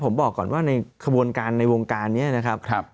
ผมบอกก่อนว่าในขบวนการในวงการนี้นะครับ